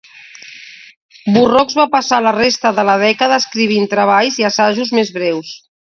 Burroughs va passar la resta de la dècada escrivint treballs i assajos més breus.